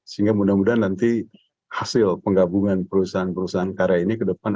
sehingga mudah mudahan nanti hasil penggabungan perusahaan perusahaan karya ini ke depan